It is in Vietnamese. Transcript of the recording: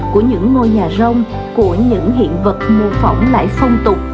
của những ngôi nhà rông của những hiện vật mô phỏng lại phong tục